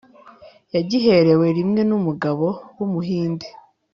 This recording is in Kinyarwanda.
yagiherewe rimwe n'umugabo w'umuhinde